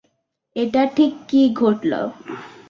এটা ঠিক কী ঘটল?